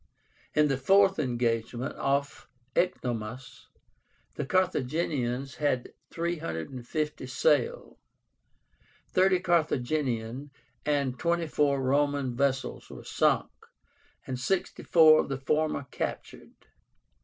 In the fourth engagement, off Ecnomus, the Carthaginians had 350 sail. Thirty Carthaginian and twenty four Roman vessels were sunk, and sixty four of the former captured.